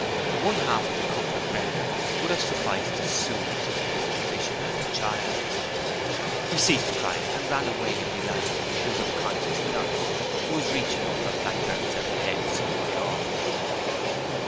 One half the comfort rendered would have sufficed to soothe such a disposition as the child's. He ceased crying and ran away in delight to his unconscious nurse, who was reaching up for blackberries at a hedge some way off.